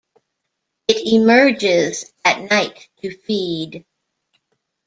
It emerges at night to feed.